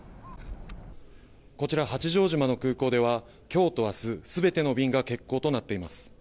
こちら八丈島の空港では今日と明日、全ての便が欠航となっています。